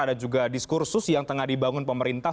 ada juga diskursus yang tengah dibangun pemerintah